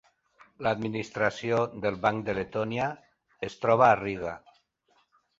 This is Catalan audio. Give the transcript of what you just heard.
L'administració del Banc de Letònia es troba a Riga.